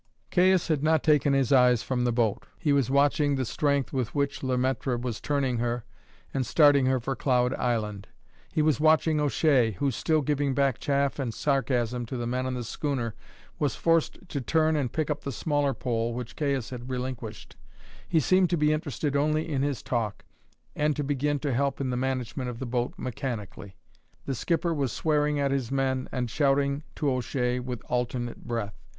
Caius had not taken his eyes from the boat. He was watching the strength with which Le Maître was turning her and starting her for Cloud Island. He was watching O'Shea, who, still giving back chaff and sarcasm to the men on the schooner, was forced to turn and pick up the smaller pole which Caius had relinquished; he seemed to be interested only in his talk, and to begin to help in the management of the boat mechanically. The skipper was swearing at his men and shouting to O'Shea with alternate breath.